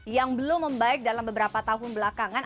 yang belum membaik dalam beberapa tahun belakangan